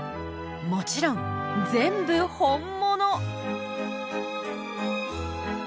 もちろん全部本物！